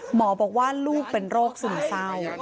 หมอบอกว่าลูกเป็นโรคซึมเศร้า